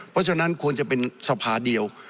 เพราะฉะนั้นควรจะเป็นสภาเดียว